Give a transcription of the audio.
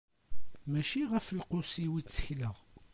Mačči ɣef lqus-iw i ttekleɣ.